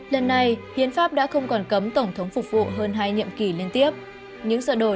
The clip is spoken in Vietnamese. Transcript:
lần này hiến pháp đã không còn cấm tổng thống phục vụ hơn hai nhiệm kỳ liên tiếp những sợ đổi